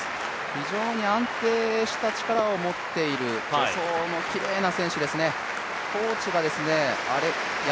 非常に安定した力を持っている助走のきれいな選手ですね。